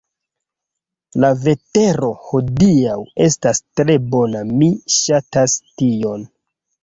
La vetero hodiaŭ estas tre bona mi ŝatas tion